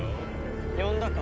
呼んだか？